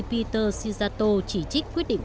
peter sijato chỉ trích quyết định